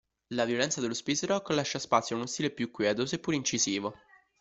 La violenza dello space rock lascia spazio a uno stile più quieto, seppur incisivo.